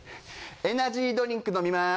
エナジードリンク飲みます。